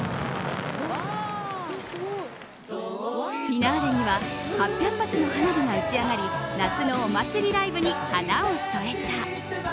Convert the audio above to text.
フィナーレには８００発の花火が打ち上がり夏のお祭りライブに花を添えた。